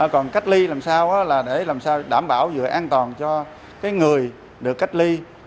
còn cách ly làm sao là để làm sao đảm bảo về an toàn cho người được cách ly